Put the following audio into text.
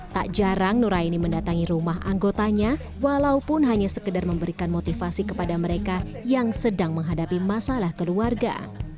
tak jarang nuraini mendatangi rumah anggotanya walaupun hanya sekedar memberikan motivasi kepada mereka yang sedang menghadapi masalah keluarga